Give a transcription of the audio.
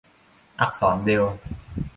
อักษรเบรลล์